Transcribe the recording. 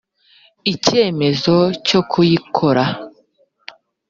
icyemezo cyo kuyikora